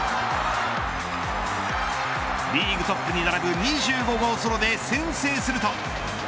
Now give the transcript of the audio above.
リーグトップに並ぶ２５号ソロで先制すると。